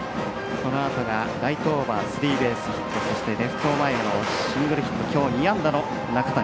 このあとがライトオーバースリーベースヒットのそしてレフト前のシングルヒットきょう２安打の中谷。